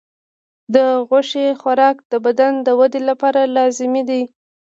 د غوښې خوراک د بدن د ودې لپاره لازمي دی.